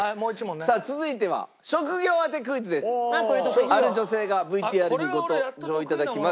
さあ続いてはある女性がＶＴＲにご登場頂きます。